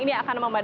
ini akan memadamkan